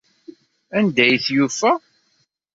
Anda i t-yufa?